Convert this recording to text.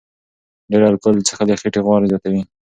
ډېر الکول څښل د خېټې غوړ زیاتوي.